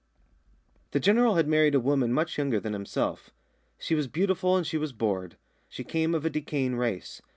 The General had married a woman much younger than himself. She was beautiful and she was bored. She came of a decaying race.